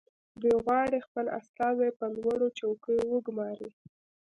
دوی غواړي خپل استازي په لوړو چوکیو وګماري